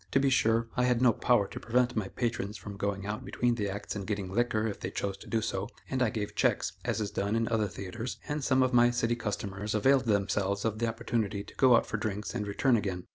To be sure, I had no power to prevent my patrons from going out between the acts and getting liquor if they chose to do so, and I gave checks, as is done in other theatres, and some of my city customers availed themselves of the opportunity to go out for drinks and return again.